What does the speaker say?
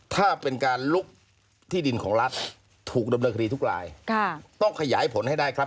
ถ้าเป็นการลุกที่ดินของรัฐถูกดำเนินคดีทุกรายต้องขยายผลให้ได้ครับ